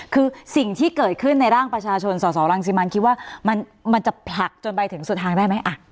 คือสิ่งที่เกิดขึ้นในร่างประชาชนสสรังสิมันคิดว่ามันจะผลักจนไปถึงสุดทางได้ไหม